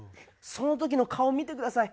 その時の顔見てください。